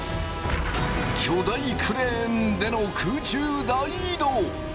巨大クレーンでの空中大移動！